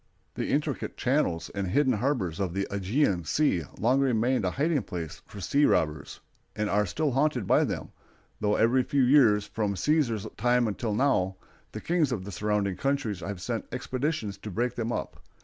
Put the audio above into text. The intricate channels and hidden harbors of the Ægean Sea long remained a hiding place of sea robbers, and are still haunted by them, though every few years, from Cæsar's time till now, the kings of the surrounding countries have sent expeditions to break them up.